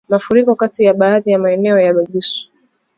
Mafuriko katika baadhi ya maeneo ya Bugisu